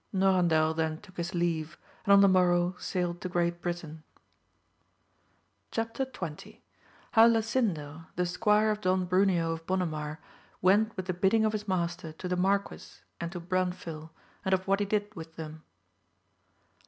Norandel then took his leave, and on the morrow sailed to Great Britain. Chap. XX. — How Lasindo the squire of Don Bruneo of Bona xnar, went with the bidding of his master to the marquis and to Branfil, and of what he did with them.